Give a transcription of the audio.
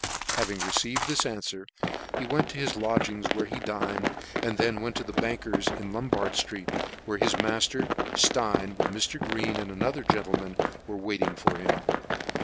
Having received this anfwer, he went to his lodgings, where he dined, and then went to the banker's in Lombard ftreet, where his mailer Stein, with Mr. Green and another gentleman/ were wailing for him.